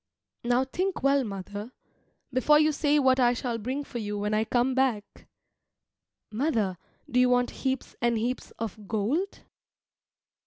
Now think well, mother, before you say what I shall bring for you when I come back. Mother, do you want heaps and heaps of gold?